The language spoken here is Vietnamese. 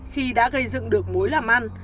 khi đã gây dựng được mối làm ăn